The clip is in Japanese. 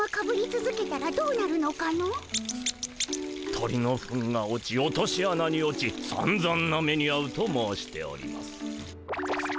鳥のフンが落ち落としあなに落ちさんざんな目にあうと申しております。